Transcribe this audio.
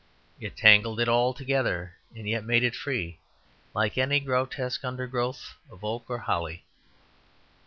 It tangled it all together and yet made it free, like any grotesque undergrowth of oak or holly.